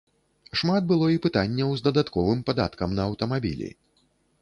Шмат было і пытанняў з дадатковым падаткам на аўтамабілі.